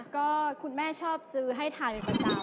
ก็คุณแม่ชอบซื้อให้ทาย